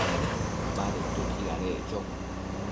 Badedquio tsidadeccho